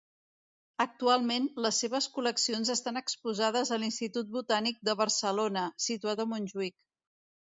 Actualment, les seves col·leccions estan exposades a l’Institut Botànic de Barcelona, situat a Montjuïc.